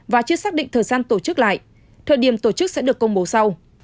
và chưa xác định thời gian tổ chức lại thời điểm tổ chức sẽ được công bố sau